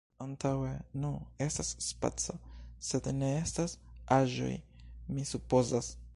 Antaŭe… Nu, estas spaco, sed ne estas aĵoj, mi supozas.